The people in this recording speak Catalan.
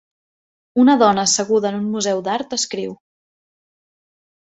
Una dona asseguda en un museu d'art escriu.